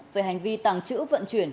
về hành vi tàng trữ vận chuyển